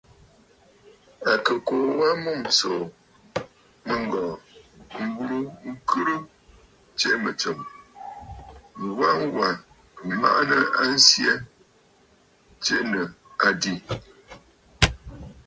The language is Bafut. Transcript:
À kɨ kuu wa a mûm ǹsòò mɨ̂ŋgɔ̀ɔ̀ m̀burə ŋkhɨrə tsiʼì mɨ̀tsɨm, ŋwa wà maʼanə a nsyɛ tiʼì nɨ àdì.